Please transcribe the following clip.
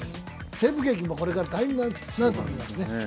西部劇もこれから大変になると思います。